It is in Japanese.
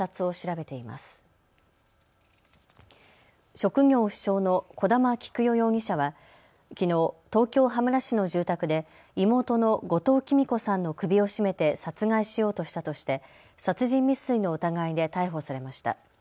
職業不詳の小玉喜久代容疑者はきのう、東京羽村市の住宅で妹の後藤喜美子さんの首を絞めて殺害しようとしたとして殺人未遂の疑いで逮捕されました。